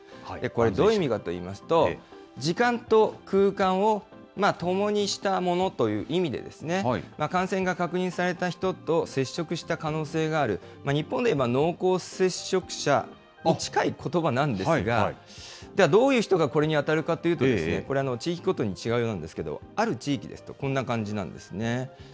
これ、どういう意味かといいますと、時間と空間を共にした者という意味で、感染が確認された人と接触した可能性がある、日本でいえば濃厚接触者に近いことばなんですが、ではどういう人がこれに当たるかというと、これは地域ごとに違うようなんですけど、ある地域ですと、こんな感じなんですね。